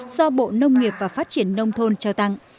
do bộ nông nghiệp và phát triển nông thôn trao tặng